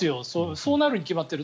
そうなるに決まってる。